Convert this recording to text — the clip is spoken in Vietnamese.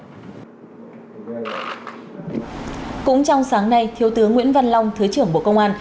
cũng trong sáng nay thiếu tướng nguyễn văn long thứ trưởng bộ công an